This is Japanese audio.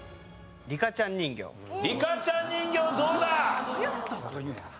リカちゃん人形どうだ？